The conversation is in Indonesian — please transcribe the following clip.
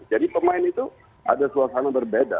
jadi pemain itu ada suasana berbeda